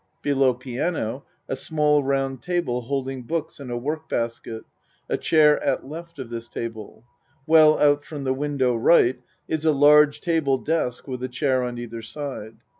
Below piano a small round ta ble holding books and a work basket a chair at L. of this table. Well out from the window R. is a large table desk with a chair on either side.